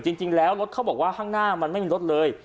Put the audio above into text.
จริงแล้วรถเขาบอกว่าข้างหน้ามันไม่มีรถเลย